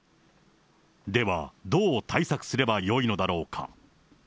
では、どう対策すればよいのだろうか。